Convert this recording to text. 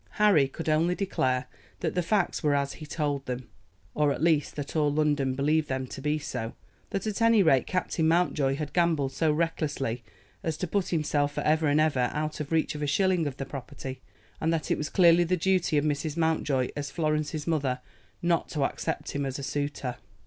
Harry could only declare that the facts were as he told them, or at least that all London believed them to be so, that at any rate Captain Mountjoy had gambled so recklessly as to put himself for ever and ever out of reach of a shilling of the property, and that it was clearly the duty of Mrs. Mountjoy, as Florence's mother, not to accept him as a suitor.